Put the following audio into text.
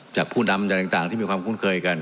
ผู้นำจากต่างที่มีความคุ้นเคยกัน